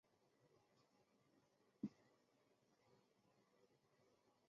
铱是地球地壳中最稀有的元素之一。